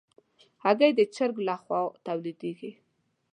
هګۍ د چرګ له خوا تولیدېږي.